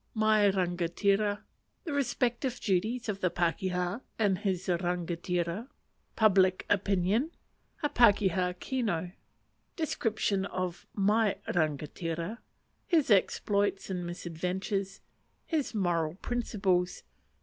"My Rangatira." The respective Duties of the Pakeha and his Rangatira. Public Opinion. A "Pakeha Kino." Description of my Rangatira. His Exploits and Misadventures. His Moral Principles.